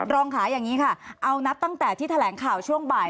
รองค่ะอย่างนี้ค่ะเอานับตั้งแต่ที่แถลงข่าวช่วงบ่าย